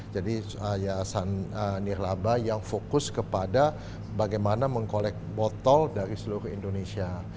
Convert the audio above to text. jadi yayasan nirlaba yang fokus kepada bagaimana mengkolek botol dari seluruh indonesia